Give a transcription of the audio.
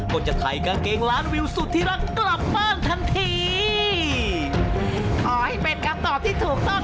ก็จะไถล่กางเกงร้านวิวสุดทีรักกลับบ้านทันที